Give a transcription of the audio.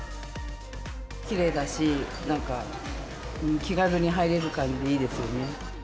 きれいだし、なんか気軽に入れる感じでいいですよね。